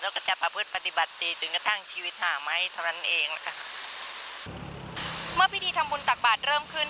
แล้วก็จะประพฤติปฏิบัติตีจนกระทั่งชีวิตหาไม้เท่านั้นเองนะคะเมื่อพิธีทำบุญตักบาทเริ่มขึ้น